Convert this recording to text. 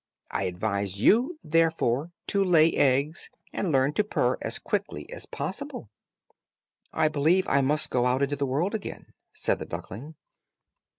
I advise you, therefore, to lay eggs, and learn to purr as quickly as possible." "I believe I must go out into the world again," said the duckling.